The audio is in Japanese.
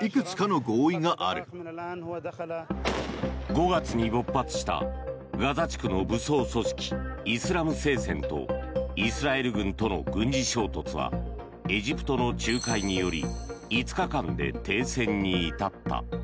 ５月に勃発したガザ地区の武装組織イスラム聖戦とイスラエル軍との軍事衝突はエジプトの仲介により５日間で停戦に至った。